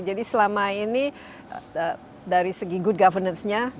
jadi selama ini dari segi good governance nya